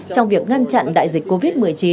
trong việc ngăn chặn đại dịch covid một mươi chín